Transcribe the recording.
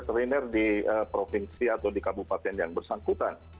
untuk sebuah kedepan di provinsi atau di kabupaten yang bersangkutan